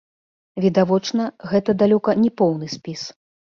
Відавочна, гэта далёка не поўны спіс.